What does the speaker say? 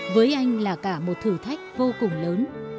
với anh là cả một thử thách vô cùng lớn